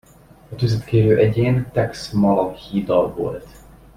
A tüzet kérő egyén Tex Malahida volt!